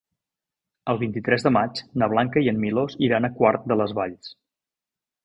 El vint-i-tres de maig na Blanca i en Milos iran a Quart de les Valls.